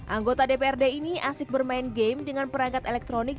anggota dprd ini asik bermain game dengan perangkat elektronik